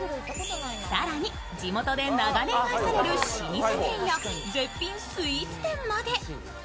更に、地元で長年愛される老舗店や絶品スイーツ店まで。